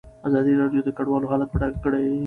ازادي راډیو د کډوال حالت په ډاګه کړی.